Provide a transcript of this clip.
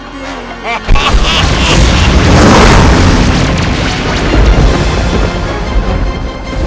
kau akan menang